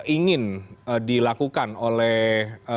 ingin dilakukan oleh